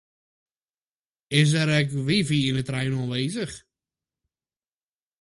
Is der ek wifi yn de trein oanwêzich?